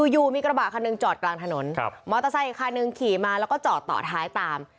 อยู่มีกระบะคันหนึ่งจอดกลางถนนมอเตอร์ไซค์อีกคันหนึ่งขี่มาแล้วก็จอดต่อท้ายตาม